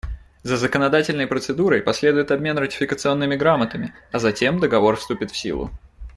За законодательной процедурой последует обмен ратификационными грамотами, а затем Договор вступит в силу.